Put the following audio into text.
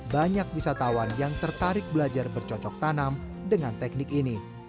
banyak wisatawan yang tertarik belajar bercocok tanam dengan teknik ini